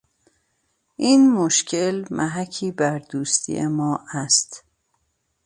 این مشکل محکی بر دوستی ما است.